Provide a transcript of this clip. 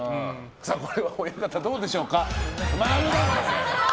これは親方どうでしょうか。